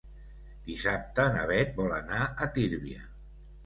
Dissabte na Bet vol anar a Tírvia.